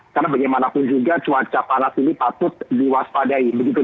karena bagaimanapun juga cuaca panas ini patut diwaspun